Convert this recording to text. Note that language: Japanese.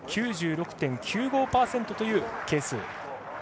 ９６．９５％という係数。